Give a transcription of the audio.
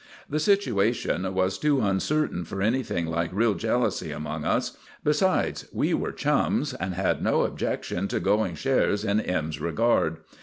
The situation was too uncertain for anything like real jealousy among us; besides, we were chums, and had no objection to going shares in M.'s regard.